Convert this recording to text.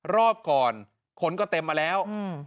รอบก่อนคนก็เต็มมาแล้ว